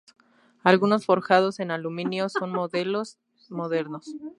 Algunos, forjados en aluminio, son modelos modernos.